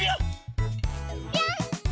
ぴょん！